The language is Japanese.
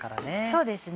そうですね。